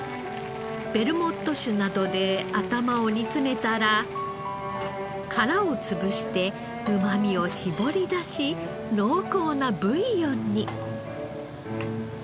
ベルモット酒などで頭を煮詰めたら殻を潰してうまみを搾り出し濃厚なブイヨンに。